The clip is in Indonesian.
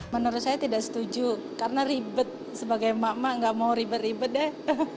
menurut saya tidak setuju karena ribet sebagai mak mak gak mau ribet ribet deh